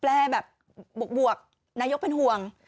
แบบบวกนายกเป็นห่วง